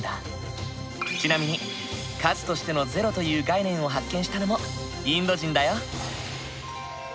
ちなみに数としての「０」という概念を発見したのもインド人だよ。